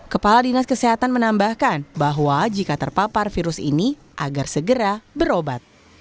kepala dinas kesehatan menambahkan bahwa jika terpapar virus ini agar segera berobat